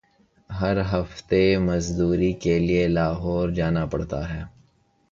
ہر ہفتے مزدوری کیلئے لاہور جانا پڑتا ہے۔